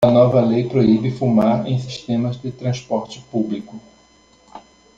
A nova lei proíbe fumar em sistemas de transporte público.